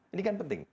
ini kan penting